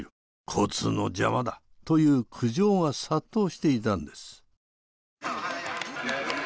「交通の邪魔だ」という苦情が殺到していたんです。